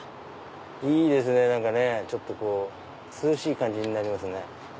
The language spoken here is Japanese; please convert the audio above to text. いいですね何かね涼しい感じになりますね。